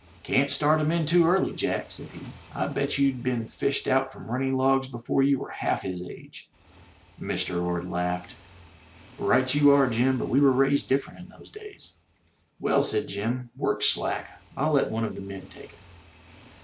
"Can't start 'em in too early. Jack," said he. "I bet you'd been fished out from running logs before you were half his age. Mr. Orde laughed. "Right you are, Jim, but we were raised different in those days." " Well," said Jim," work's slack. I'll let one of the men take him.'